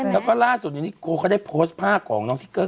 แล้วก็ล่าสุดนี้นิโกเขาได้โพสต์ภาพของน้องทิกเกอร์